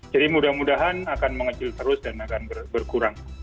jadi mudah mudahan akan mengecil terus dan akan berkurang